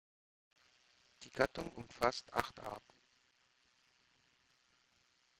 Die Gattung umfasst acht Arten.